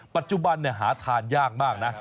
ปัจจุบันหาทานยากมากนะ